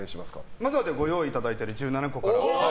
まずはご用意いただいている１７個から。